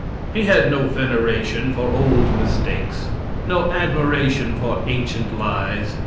He had no veneration for old mistakes, no admiration for ancient lies.